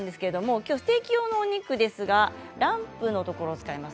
きょうはステーキ用のお肉とランプのところを使います。